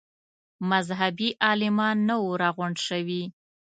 مذهبي عالمان نه وه راغونډ شوي.